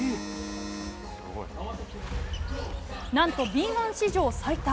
なんとＢ１史上最多。